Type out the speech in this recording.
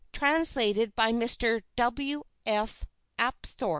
Translated by Mr. W. F. Apthorp.